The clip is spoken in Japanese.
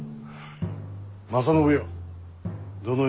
正信よ